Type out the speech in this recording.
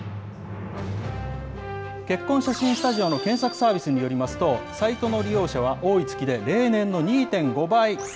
結婚写真スタジオの検索サービスによりますと、サイトの利用者は、多い月で例年の２．５倍。